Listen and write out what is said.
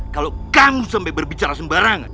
kalau kamu sampai berbicara sembarangan